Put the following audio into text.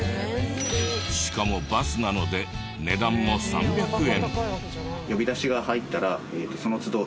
しかもバスなので値段も３００円。